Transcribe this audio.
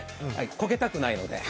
こけたくないので。